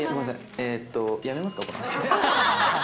えーっと、やめますか、これ。